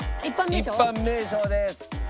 一般名称です。